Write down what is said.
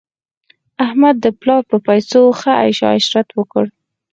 احمد د پلا په پیسو ښه عش عشرت وکړ.